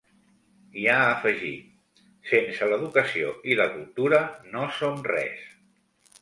I ha afegit: Sense l’educació i la cultura no som res.